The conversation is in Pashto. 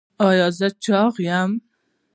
ایا زه چاغ یم؟